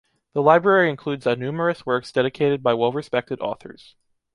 The library includes a numerous works dedicated by well respected authors.